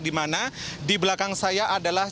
dimana di belakang saya adalah